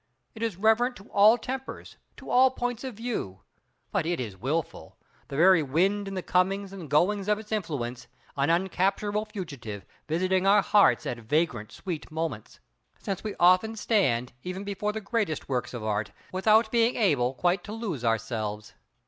It is reverent to all tempers, to all points of view. But it is wilful —the very wind in the comings and goings of its influence, an uncapturable fugitive, visiting our hearts at vagrant, sweet moments; since we often stand even before the greatest works of Art without being able quite to lose ourselves!